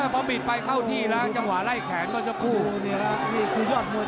พอบิจัยเข้าที่แล้วจังหวะไล่แขนก็จะนิดกว่า